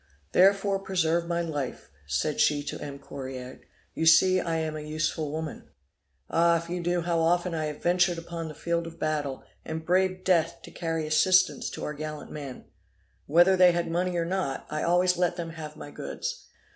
'Therefore preserve my life,' said she to M. Correard, 'you see I am an useful woman. Ah! if you knew how often I have ventured upon the field of battle, and braved death to carry assistance to our gallant men. Whether they had money or not I always let them have my goods.